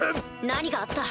何があった？